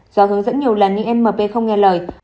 do hướng dẫn nhiều lần nhưng mp không nghe lời